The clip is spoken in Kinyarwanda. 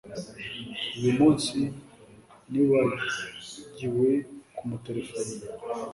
Uyu munsi nibagiwe kumuterefona